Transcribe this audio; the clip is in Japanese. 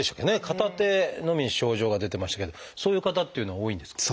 片手のみ症状が出てましたけどそういう方っていうのは多いんですか？